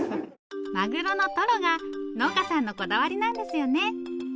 マグロのトロが農家さんのこだわりなんですよね。